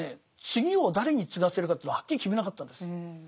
次を誰に継がせるかというのをはっきり決めなかったんです。